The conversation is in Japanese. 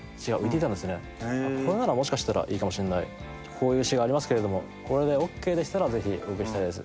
こういう詞がありますけれどもこれでＯＫでしたらぜひお受けしたいです。